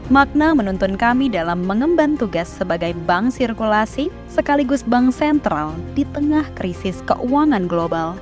makna menuntun kami dalam mengemban tugas sebagai bank sirkulasi sekaligus bank sentral di tengah krisis keuangan global